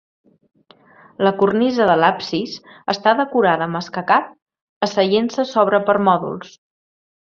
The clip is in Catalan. La cornisa de l'absis està decorada amb escacat, asseient-se sobre permòdols.